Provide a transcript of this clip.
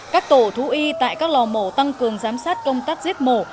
các tổ thú y tại các lò mổ tăng cường giám sát công tác giết mổ